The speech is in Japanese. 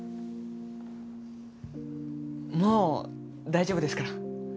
もう大丈夫ですから。